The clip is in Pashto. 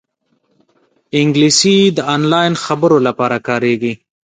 انګلیسي د آنلاین خبرو لپاره کارېږي